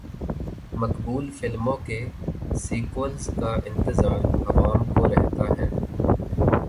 مقبول فلموں کے سیکوئلز کا انتظار عوام کو رہتا ہے۔